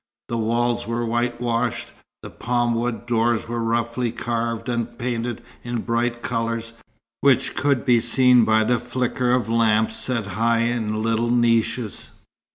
The walls were whitewashed; the palm wood doors were roughly carved and painted in bright colours, which could be seen by the flicker of lamps set high in little niches.